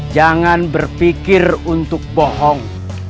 jangan berpikir untuk bohong